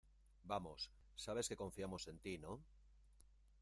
vamos... sabes que confiamos en ti, ¿ no?